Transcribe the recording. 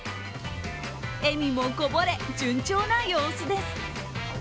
笑みもこぼれ、順調な様子です。